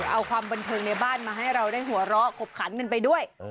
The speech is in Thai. เอาความบันเทิงในบ้านมาให้เราได้หัวเราะขบขันกันไปด้วย